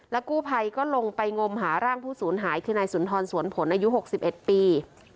กู้ภัยก็ลงไปงมหาร่างผู้สูญหายคือนายสุนทรสวนผลอายุ๖๑ปี